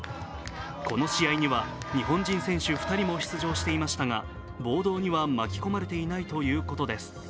この試合には日本人選手２人も出場していましたが暴動には巻き込まれていないということです。